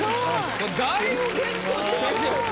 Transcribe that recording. だいぶ健闘してますよ。